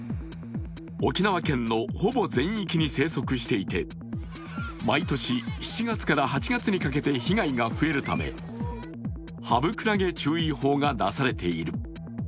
沖縄県のほぼ全域に生息していて毎年７月から８月にかけて被害が増えるためハブクラゲ注意報が出されている。